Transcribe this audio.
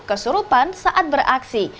kesurupan saat beraksi